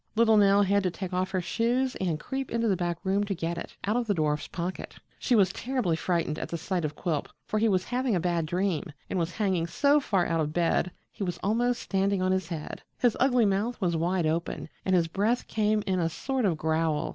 Little Nell had to take off her shoes and creep into the back room to get it out of the dwarf's pocket. She was terribly frightened at the sight of Quilp, for he was having a bad dream, and was hanging so far out of bed that he was almost standing on his head; his ugly mouth was wide open, and his breath came in a sort of growl.